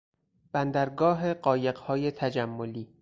بندرگاه قایقهای تجملی